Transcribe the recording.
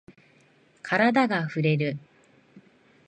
カラダがふれる。